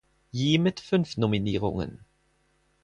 Yi mit fünf Nominierungen.